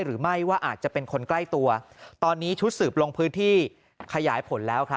หรือไม่ว่าอาจจะเป็นคนใกล้ตัวตอนนี้ชุดสืบลงพื้นที่ขยายผลแล้ว